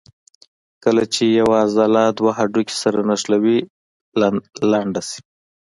کله چې یوه عضله دوه هډوکي سره نښلوي لنډه شي.